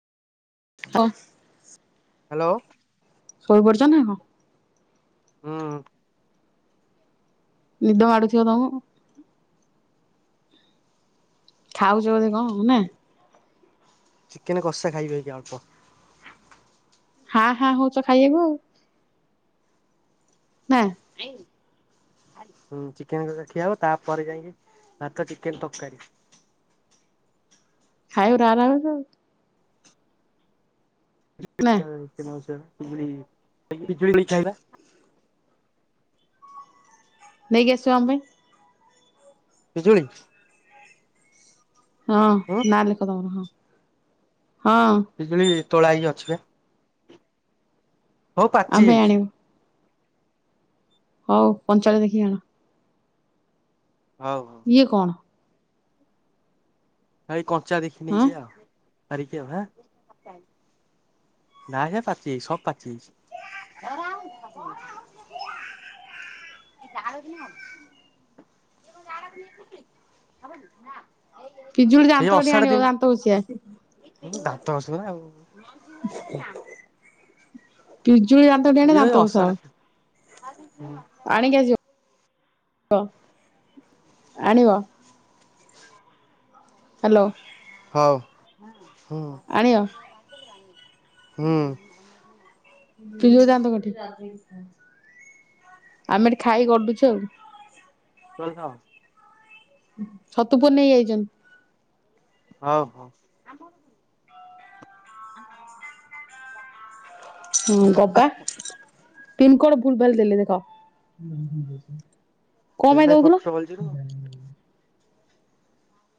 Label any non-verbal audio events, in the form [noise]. କ ହାଲୋ। ଶୋଇପଡିଚ ନା କଂ ହୁଁ। ନିଦ ମାଡୁଥିବ ତମୁକୁ ଖାଉଚ ବୋଧେ କଣ ନା। ଚିକେନ୍ କଷା ଖାଇବେ କି ଅଳ୍ପ। ହା ହା ହଉଚ ଖାଇବାକୁ ଆଉ। ନାଁ? ଆଇଁ ଉଁ ଚିକେନ ତରକାରୀ ଖିଆ ହବ ତାପରେ ଯାଇଁ କି ଭାତ ଚିକେନ ତରକାରୀ। ଖାଇବୁ ରା ରା ହଉଚୁ ଆଉ। ନା [unintelligible] ପିଜୁଳି ପିଜୁଳି ବି ଖାଇବା। ନେଇକି ଆସିବ ଆମ ପାଇଁ। ପିଜୁଳି? ହଁ ହୁଁ ନା ଲେଖ ତମର ହଁ ହଁ। ପିଜୁଳି ତୋଳା ହେଇ କି ଅଛି ପା। ହଉ ଆମ ପାଚି ପାଇଁ ଯାଇଛି। ଆଣିବ ହଉ ପଞ୍ଚାଳିଆ ଦେଖି ଆଣ। ହଉ ହଉ। ଏ କଣ? ଭାଇ କଞ୍ଚା ଦେଖି ହଁ ନେଇଯିବା ଆଉ ପାରିକି ଆଉ ହା? ନାଇଁ ହେ ପାଚି ଯାଇଛି ସବୁ ପାଚିଯାଇଚି [unintelligible] ଏଇ ଜାଳ ଦିନେ ହବ। [unintelligible] ପିଜୁଳି ଦାନ୍ତ କାଟିି ଆଣିବ ଦାନ୍ତ ଘଷିବା। ଉଁ ଦାନ୍ତ ଘଷିବ ନା ଆଉ [unintelligible] ପିଜୁଳି ଦାନ୍ତ କାଠି ଆଣିବ ଇଏ ଦାନ୍ତ ଘଷା ଅଷାଢ ହବ। [unintelligible] ଆଣିକି ଆସିବ ଆଣିବ। ହ୍ୟାଲୋ। ହଉ ହୁଁ। ଆଣିବ। ହୁଁ। ପିଜୁଳି ଦାନ୍ତ କାଠି, ଆମେ ଏଠି ଖାଇ ଗଡୁଛୁ ଆଉ। ରହି ଥାଅ। ଛତୁପୁର ନେଇ ଯାଇଛନ୍ତି। ହଉ ହଉ। ଆ [unintelligible] ହୁଁ ଦବା ପିନ୍ କୋଡ ଭୁଲ୍ ଭାଲ ଦେଲେ ଦେଖ। [unintelligible] କଣ ପାଇଁ ସେଥିପାଇଁ ଦଉଥିଲ ଫଟୋ ବୋଲିଛି ମୁଁ ଜାଣିନି।